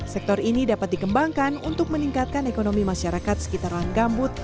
sektor ini dapat dikembangkan untuk meningkatkan ekonomi masyarakat sekitar lahan gambut